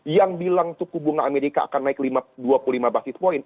yang bilang suku bunga amerika akan naik dua puluh lima basis point